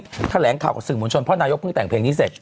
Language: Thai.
ก็แถลงข่าวกับสื่อมวลชนพ่อนายกเพิ่งแต่งเพลงนี้